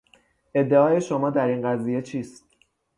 ادعای شما در این قضیه چیست؟